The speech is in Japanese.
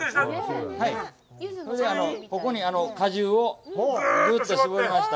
それで、ここに果汁をぐうっと搾りました。